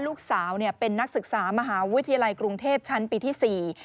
ลูกสาวเนี่ยเป็นนักศึกษามหาวิทยาลัยกรุงเทพชั้นปีที่สี่